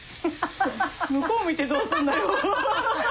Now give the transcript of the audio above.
向こう向いてどうすんのよ。